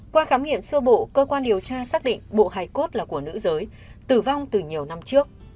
qua khám nghiệm sơ bộ cơ quan điều tra xác định bộ hải cốt là của nữ giới tử vong từ nhiều năm trước